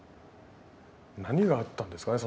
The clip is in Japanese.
何があったんですかね